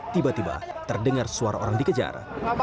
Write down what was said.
tiba tiba terdengar suara orang dikejar